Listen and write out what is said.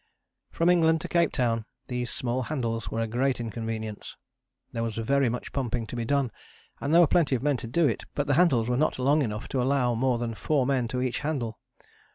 From England to Cape Town these small handles were a great inconvenience. There was very much pumping to be done and there were plenty of men to do it, but the handles were not long enough to allow more than four men to each handle.